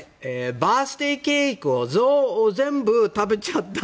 バースデーケーキを全部食べちゃった。